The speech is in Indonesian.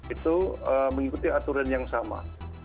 itu mengikuti aturan yang sama